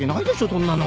そんなの。